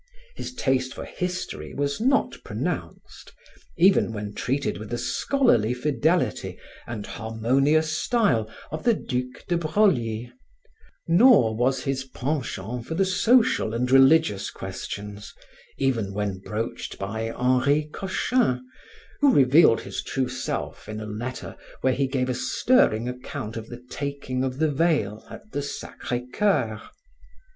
His taste for history was not pronounced, even when treated with the scholarly fidelity and harmonious style of the Duc de Broglie, nor was his penchant for the social and religious questions, even when broached by Henry Cochin, who revealed his true self in a letter where he gave a stirring account of the taking of the veil at the Sacre Coeur.